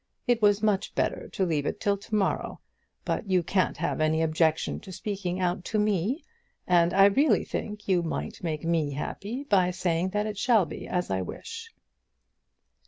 It was much better to leave it till to morrow. But you can't have any objection to speaking out to me, and I really think you might make me happy by saying that it shall be as I wish."